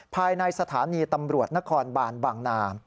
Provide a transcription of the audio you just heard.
ภายในสถานีตำรวจนครบานบางนา